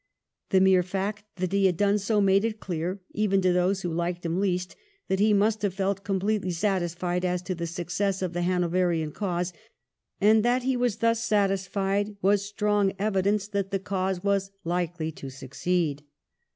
The mere fact that he had done so made it clear, even to those who liked him least, that he must have felt completely satisfied as to the success of the Hanoverian cause, and that he was thus satisfied was strong evidence that the cause was 362 THE REIGN OF QUEEN ANNE. ch. xxxviii. likely to succeed.